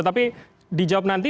tapi dijawab nanti